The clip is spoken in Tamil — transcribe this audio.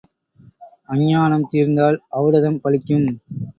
அஞ்ஞானம் தீர்ந்தால் ஒளடதம் பலிக்கும்.